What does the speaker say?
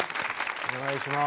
お願いします。